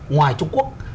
ngoài trung quốc